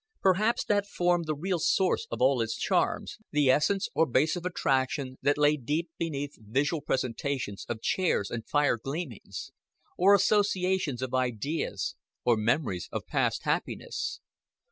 Perhaps that formed the real source of all its charms, the essence or base of attraction that lay deep beneath visual presentations of chairs and fire gleamings, or associations of ideas, or memories of past happiness.